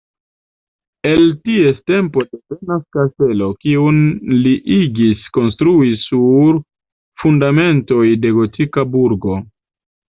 El ties tempo devenas kastelo, kiun li igis konstrui sur fundamentoj de gotika burgo.